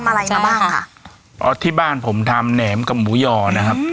อะไรมาบ้างค่ะอ๋อที่บ้านผมทำแหนมกับหมูย่อนะครับ